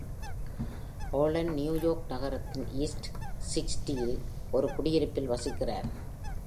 Alan New York நகரத்தின் east சிக்ஸ்ட்டீசில் ஒரு குடியிருப்பில் வசிக்கிறார்.